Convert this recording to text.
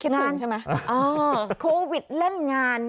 คิดถึงใช่ไหมอ๋อโควิดเล่นงาน